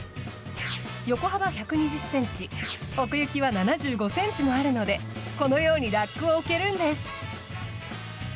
横幅１２０ｃｍ奥行きは７５ｃｍもあるのでこのようにラックを置けるんです。